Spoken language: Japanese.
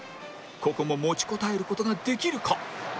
ここも持ちこたえる事ができるか？